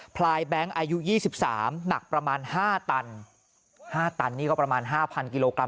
พลายแบงค์อายุ๒๓หนักประมาณ๕ตัน๕ตันนี่ก็ประมาณ๕๐๐กิโลกรั